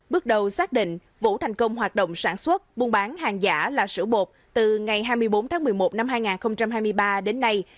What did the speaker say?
bước đầu xác định vũ thành công hoạt động sản xuất buôn bán hàng giả là sữa bột từ ngày hai mươi bốn tháng một mươi một năm hai nghìn hai mươi ba đến nay